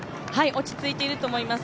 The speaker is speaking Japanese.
落ち着いていると思います。